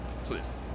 そうです。